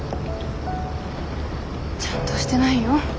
ちゃんとしてないよ。